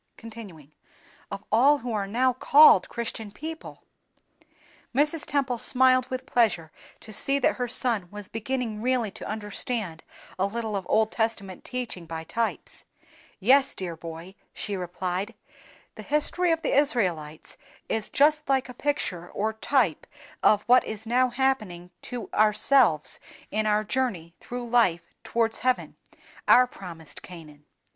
Mrs. Temple smiled with pleasure to see that her son was beginning really to understand a little of Old Testament teaching by types. "Yes, dear boy," she replied, "the history of the Israelites is just like a picture or type of what is now happening to ourselves in our journey through life towards heaven, our promised Canaan.